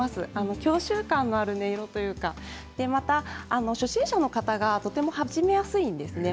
郷愁感がある音色というか初心者の方がとても始めやすいんですね。